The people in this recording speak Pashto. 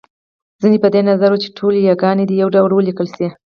ځينې په دې نظر دی چې ټولې یاګانې دې يو ډول وليکل شي